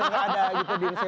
gak ada gitu dinasnya